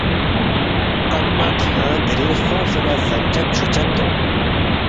امّہ کھیانگ دِرِنگ سونگسے نہ زن چد چھُو چد تونگ